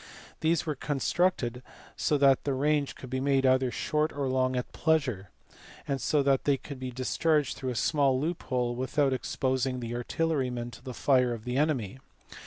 These were constructed so that the range could be made either short or long at pleasure, and so that they could be discharged through a small loophole without exposing the artillerymen to the fire of the enemy.